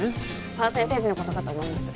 パーセンテージのことかと思います